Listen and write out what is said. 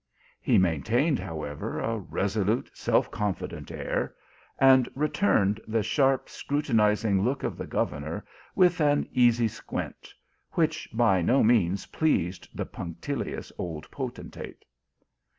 He maintained, how ever, a resolute, self confident air, and returned the sharp, scrutinizing look of the governor with an easy squint, which by no means pleased the punc tilious old potentate.